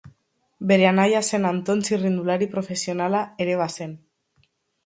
Bere anaia zen Anton txirrindulari profesionala ere bazen.